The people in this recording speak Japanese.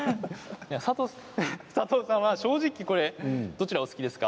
佐藤さんは正直どちらがお好きですか？